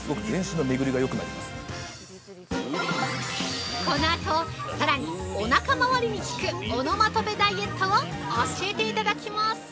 ◆このあと、さらにお腹回りに効くオノマトペダイエットを教えていただきます！